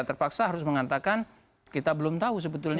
terpaksa harus mengatakan